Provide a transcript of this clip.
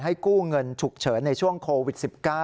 กู้เงินฉุกเฉินในช่วงโควิด๑๙